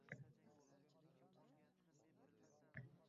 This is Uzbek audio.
imon bilan hayoni ziynat deb biladi.